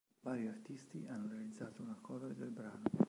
Vari artisti hanno realizzato una cover del brano.